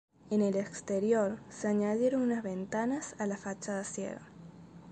En el exterior, se añadieron unas ventanas a la fachada ciega.